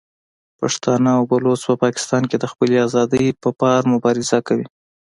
پښتانه او بلوڅ په پاکستان کې د خپلې ازادۍ په پار مبارزه کوي.